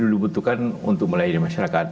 dibutuhkan untuk melayani masyarakat